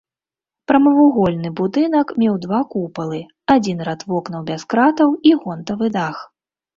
Прамавугольны будынак меў два купалы, адзін рад вокнаў без кратаў і гонтавы дах.